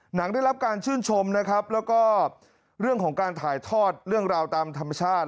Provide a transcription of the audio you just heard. ได้รับการชื่นชมนะครับแล้วก็เรื่องของการถ่ายทอดเรื่องราวตามธรรมชาติ